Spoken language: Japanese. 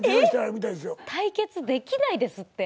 対決できないですって。